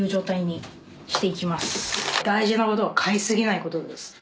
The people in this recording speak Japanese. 大事なことは買い過ぎないことです。